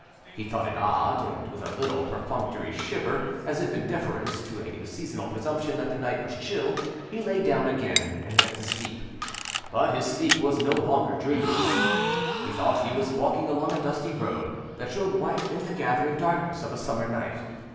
He thought it odd, and with a little perfunctory shiver, as if in deference to a seasonal presumption that the night was chill, he lay down again and went to sleep. But his sleep was no longer dreamless. He thought he was walking along a dusty road that showed white in the gathering darkness of a summer night.